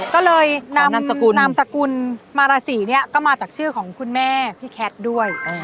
ก็เลยนามสกุลมาราศีเนี่ยก็มาจากชื่อของคุณแม่พี่แคทด้วย